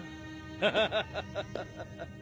ハハハハ。